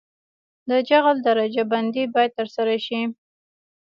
د جغل درجه بندي باید ترسره شي